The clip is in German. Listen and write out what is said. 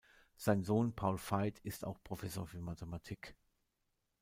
Sein Sohn Paul Feit ist auch Professor für Mathematik.